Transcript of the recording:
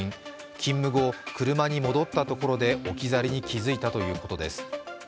勤務後、車に戻ったところで置き去りに気付いたということです。